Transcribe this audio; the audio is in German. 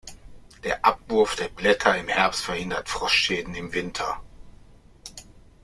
Der Abwurf der Blätter im Herbst verhindert Frostschäden im Winter.